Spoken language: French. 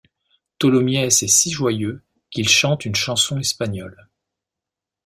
Tholomyès est si joyeux qu’il chante une chanson espagnole